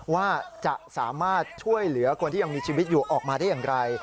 ว่าจะสามารถช่วยเหลือคนที่ยังมีชีวิตอยู่ออกมาได้อย่างไร